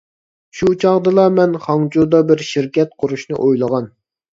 شۇ چاغدىلا مەن خاڭجۇدا بىر شىركەت قۇرۇشنى ئويلىغان.